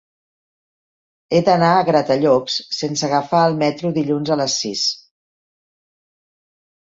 He d'anar a Gratallops sense agafar el metro dilluns a les sis.